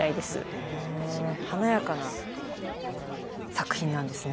へ華やかな作品なんですね。